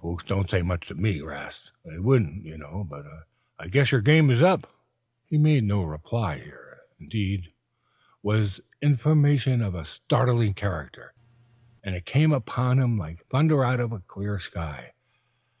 "Folks don't say much to me, 'Rast. They wouldn't, you know. But I guess your game is up." He made no reply. Here, indeed, was information of a startling character. And it came upon him like thunder out of a clear sky.